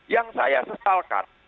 yang saya sesalkan